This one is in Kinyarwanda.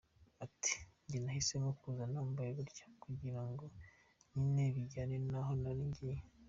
Ati “Njye nahisemo kuza nambaye gutya kugira ngo nyine bijyane n’aho nari ngiye.